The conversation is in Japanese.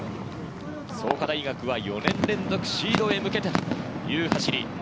創価大学は４年連続シードへ向けてという走り。